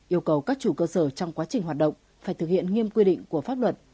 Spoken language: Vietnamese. yêu cầu các chủ cơ sở trong quá trình hoạt động phải thực hiện nghiêm quy định của pháp luật